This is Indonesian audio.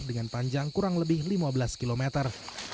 dengan panjang kurang lebih lima belas kilometer